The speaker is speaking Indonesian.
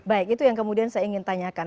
baik itu yang kemudian saya ingin tanyakan